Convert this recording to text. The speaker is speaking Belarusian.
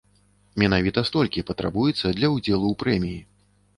Менавіта столькі патрабуецца для ўдзелу ў прэміі.